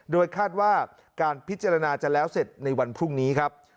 โดยคาดว่าการพิจารณาจะแล้วเสร็จในวันพรุ่งนี้ครับ